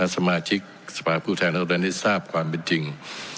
สมาชิกสภาพภูมิไทยนักศึกษาพความเป็นจริง